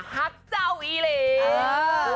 หักเจ้าอีเรน